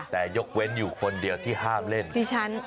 แต่ยกเว้นอยู่คนเดียวที่ห้ามเล่นดิฉัน